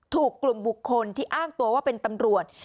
ถูกกลุ่มบุคคลที่อ้างตัวว่าเป็นตำรวจ